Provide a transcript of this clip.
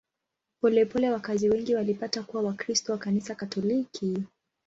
Polepole wakazi wengi walipata kuwa Wakristo wa Kanisa Katoliki.